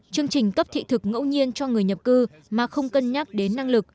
chương trình cấp thị thực ngẫu nhiên cho người nhập cư mà không cân nhắc đến năng lực